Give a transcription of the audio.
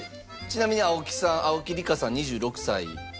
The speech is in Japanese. ちなみに青木さん青木理花さん２６歳。